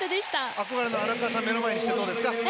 憧れの荒川さんを目の前にしてどうですか？